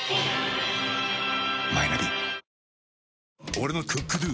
俺の「ＣｏｏｋＤｏ」！